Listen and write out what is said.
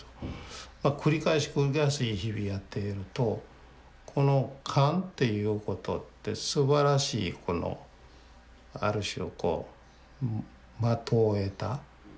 まあ繰り返し繰り返し日々やっているとこの勘っていうことってすばらしいこのある種こう的をえた。